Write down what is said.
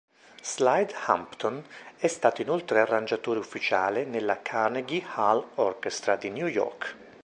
Slide Hampton è stato inoltre arrangiatore ufficiale della Carnegie Hall Orchestra di New York.